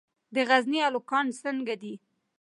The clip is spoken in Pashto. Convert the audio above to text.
د غزني الوګان څنګه دي؟